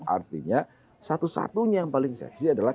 artinya satu satunya yang paling seksi adalah